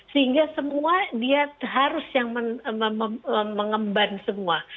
sehingga semua dia harus yang mengemban semua